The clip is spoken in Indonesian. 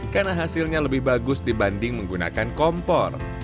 karena hasilnya lebih bagus dibanding menggunakan kompor